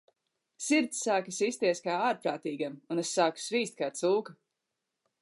Sirds sāka sisties kā ārprātīgam, un es sāku svīst kā cūka.